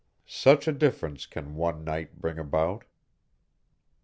Such a difference can one night bring about.